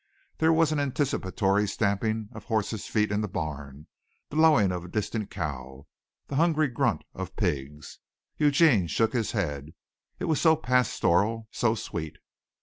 There was an anticipatory stamping of horses' feet in the barn, the lowing of a distant cow, the hungry grunt of pigs. Eugene shook his head it was so pastoral, so sweet.